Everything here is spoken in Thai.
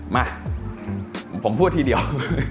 มาผมพูดทีเดียว